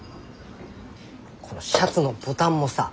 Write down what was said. このシャツのボタンもさ